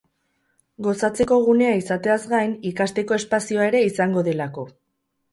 gozatzeko gunea izateaz gain, ikasteko espazioa ere izango delako